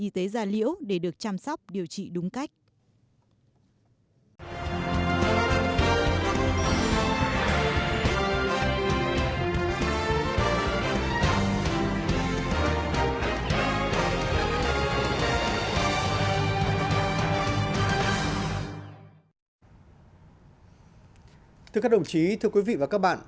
thưa các đồng chí thưa quý vị và các bạn